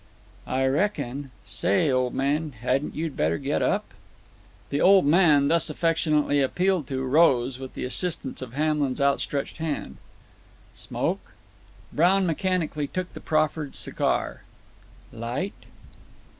"I reckon. Say, old man, hadn't you better get up?" The "old man," thus affectionately appealed to, rose, with the assistance of Hamlin's outstretched hand. "Smoke?" Brown mechanically took the proffered cigar. "Light?"